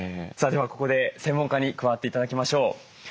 さあではここで専門家に加わって頂きましょう。